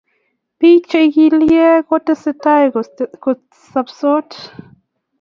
Biik Che ikilegei kotesetai kosuptos